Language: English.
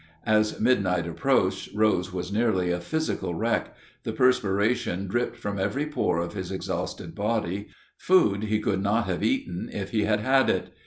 As midnight approached, Rose was nearly a physical wreck: the perspiration dripped from every pore of his exhausted body; food he could not have eaten, if he had had it.